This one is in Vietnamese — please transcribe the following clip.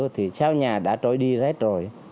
thì cháu nhà đã trôi đi hết rồi